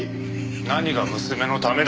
何が娘のためだ。